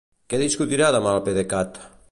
Què discutirà demà el PDECat?